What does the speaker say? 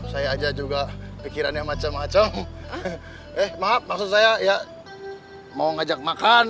saya aja juga pikiran yang macam macam eh maaf maksud saya ya mau ngajak makan